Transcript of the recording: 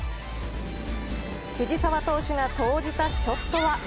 藤澤選手が投じたショットは。